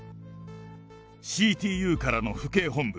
ＣＴＵからの府警本部。